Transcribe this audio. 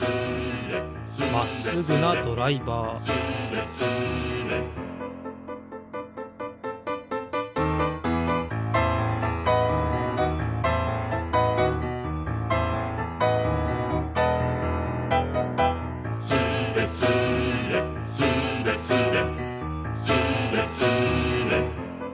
まっすぐなドライバー「スレスレ」「スレスレスーレスレ」